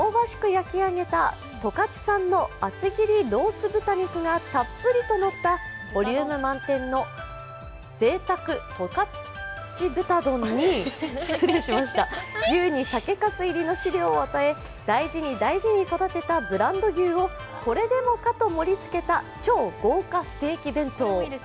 焼き上げた十勝産の厚切りロース豚肉がたっぷりとのったボリューム満点の贅沢十勝豚丼に牛に酒かす入りの飼料を与え大事に大事に育てたブランド牛をこれでもかと盛り付けた超豪華ステーキ弁当。